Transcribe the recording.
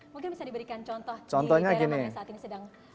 mungkin bisa diberikan contoh di daerah mana yang saat ini sedang